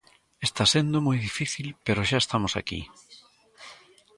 Está sendo moi difícil, pero xa estamos aquí.